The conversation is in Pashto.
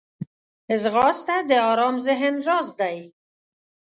ځغاسته د ارام ذهن راز دی